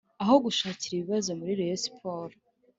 aho gushakira ibibazo muri rayon sports